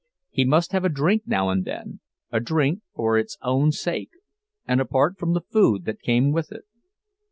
He must have a drink now and then, a drink for its own sake, and apart from the food that came with it.